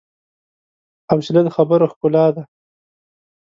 حوصله د خبرو ښکلا ده.